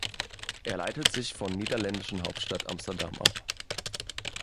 Er leitet sich von niederländischen Hauptstadt Amsterdam ab.